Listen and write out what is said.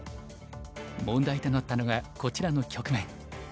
問題となったのがこちらの局面。